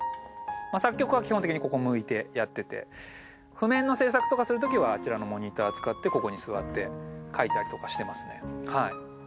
作曲は基本的にここ向いてやってて譜面の制作とかするときはあちらのモニター使ってここに座って書いたりとかしてますね。